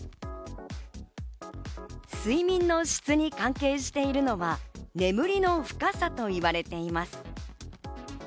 睡眠の質に関係しているのは眠りの深さと言われています。